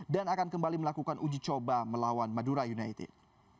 dan akan kembali melakukan uji coba melawan madura united